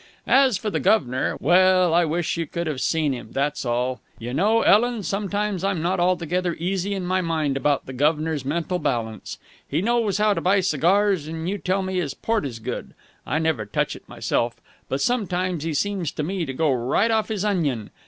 As for the guv'nor well, I wish you could have seen him, that's all. You know, Ellen, sometimes I'm not altogether easy in my mind about the guv'nor's mental balance. He knows how to buy cigars, and you tell me his port is good I never touch it myself but sometimes he seems to me to go right off his onion.